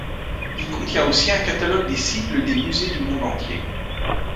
Il contient aussi un catalogue des sigles des musées du monde entier.